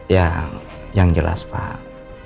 ya yang jelas pak